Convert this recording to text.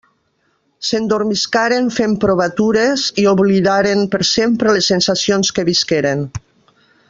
S'endormiscaren fent provatures i oblidaren per sempre les sensacions que visqueren.